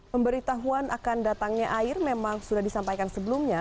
pemberitahuan akan datangnya air memang sudah disampaikan sebelumnya